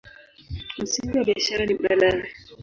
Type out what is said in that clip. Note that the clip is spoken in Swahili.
Msingi wa biashara ni bandari.